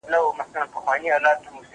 که وخت وي، مرسته کوم!.